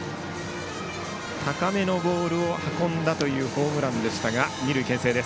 高めのボールを運んだというホームランでした。